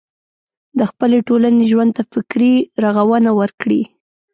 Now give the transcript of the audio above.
د خپلې ټولنې ژوند ته فکري روغونه ورکړي.